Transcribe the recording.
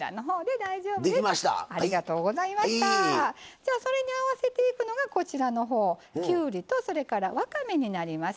じゃあそれに合わせていくのがこちらの方きゅうりとそれからわかめになります。